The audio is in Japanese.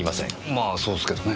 まあそうですけどね。